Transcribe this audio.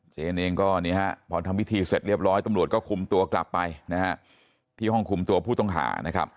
เจนเองก็พอทำพิธีเสร็จเรียบร้อยตำรวจก็คุมตัวกลับไปนะฮะที่ห้องคุมตัวผู้ต้องหานะครับ